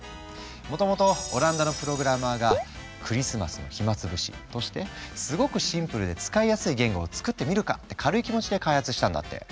もともとオランダのプログラマーがクリスマスの暇潰しとしてすごくシンプルで使いやすい言語を作ってみるかって軽い気持ちで開発したんだって。